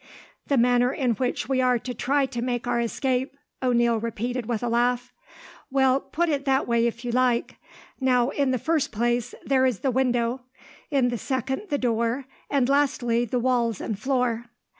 "The manner in which we are to try to make our escape!" O'Neil repeated, with a laugh. "Well, put it that way if you like. Now, in the first place, there is the window, in the second the door, and lastly the walls and floor."